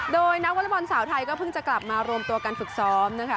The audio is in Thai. โดยนักวอเล็กบอลสาวไทยก็เพิ่งจะกลับมารวมตัวการฝึกซ้อมนะคะ